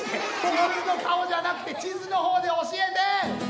自分の顔じゃなくて地図の方で教えて！